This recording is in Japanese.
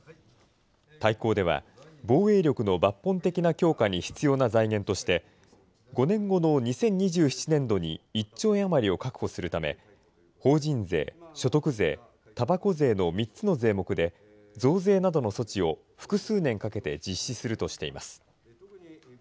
大綱では、防衛力の抜本的な強化に必要な財源として、５年後の２０２７年度に１兆円余りを確保するため、法人税、所得税、たばこ税の３つの税目で、増税などの措置を複数年かけて実施するとしています。